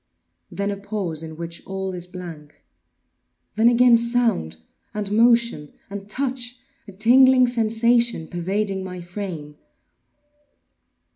Then a pause in which all is blank. Then again sound, and motion, and touch—a tingling sensation pervading my frame.